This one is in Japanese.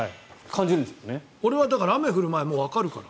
俺は雨が降る前、わかるから。